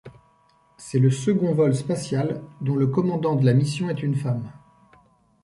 C'est le second vol spatial dont le commandant de la mission est une femme.